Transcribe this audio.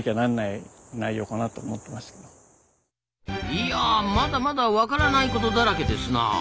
いやまだまだわからないことだらけですなあ。